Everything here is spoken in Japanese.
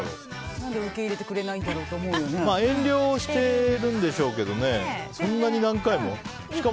何で受け入れてくれないんだろうって遠慮してるんでしょうけどそんなに何回も？